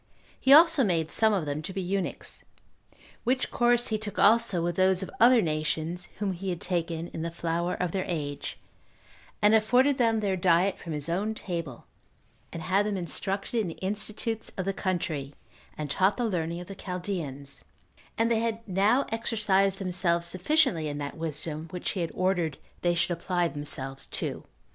He also made some of them to be eunuchs; which course he took also with those of other nations whom he had taken in the flower of their age, and afforded them their diet from his own table, and had them instructed in the institutes of the country, and taught the learning of the Chaldeans; and they had now exercised themselves sufficiently in that wisdom which he had ordered they should apply themselves to.